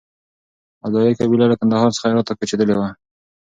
ابدالي قبیله له کندهار څخه هرات ته کوچېدلې وه.